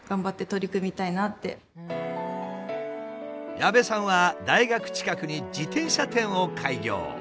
矢部さんは大学近くに自転車店を開業。